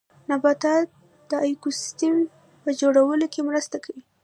نباتات د ايکوسيستم په جوړولو کې مرسته کوي